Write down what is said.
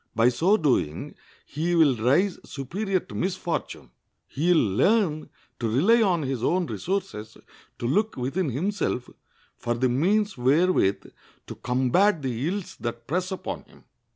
By so doing he will rise superior to misfortune. He will learn to rely on his own resources, to look within himself for the means wherewith to combat the ills that press upon him.